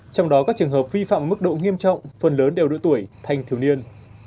trong đó các trường hợp vi phạm mức độ nghiêm trọng phần lớn đều đổi tuổi thành thiếu niên